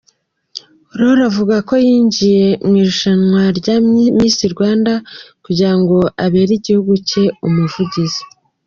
Aurore avuga ko yinjiye mu irushanwa rya Miss Rwanda kugirango abere igihugu cye umuvugizi.